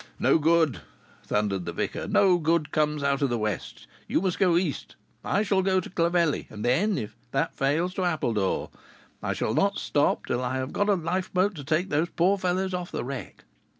"No good!" thundered the vicar, "no good comes out of the west. You must go east. I shall go to Clovelly, and then, if that fails, to Appledore. I shall not stop till I have got a lifeboat to take those poor fellows off the wreck."